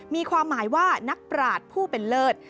มีความหมายว่านักปราศผู้เป็นเลิศ